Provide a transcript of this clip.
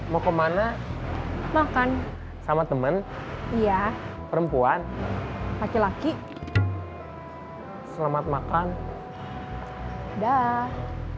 mau kemana makan sama temen iya perempuan laki laki selamat makan dah